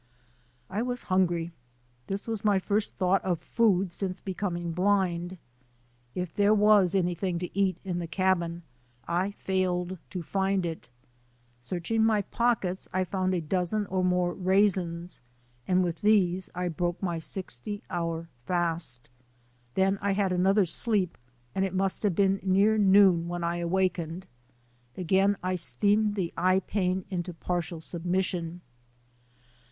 I was hungry. This was my first thought of jfood since becoming blind. If there was anything to eat in the cabin, I failed to find it. Searching my pockets I found a dozen or more raisins and with these I broke my sixty hour fast. Then I had another sleep, and it must have been near noon when I awakened. Again I steamed the eye pain into partial submission.